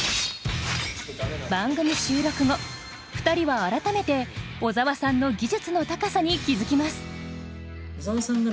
番組収録後２人は改めて小沢さんの技術の高さに気付きます。